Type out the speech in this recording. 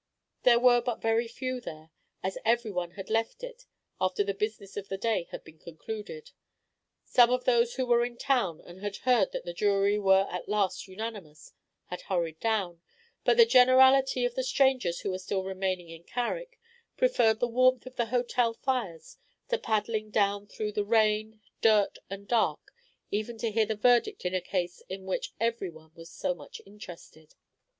There were but very few there, as every one had left it after the business of the day had been concluded; some of those who were in town and had heard that the jury were at last unanimous, had hurried down; but the generality of the strangers who were still remaining in Carrick, preferred the warmth of the hotel fires to paddling down through the rain, dirt, and dark, even to hear the verdict in a case in which every one was so much interested.